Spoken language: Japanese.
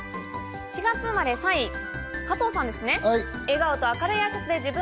４月生まれ、３位、加藤さんですね。